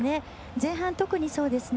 前半、特にそうですね。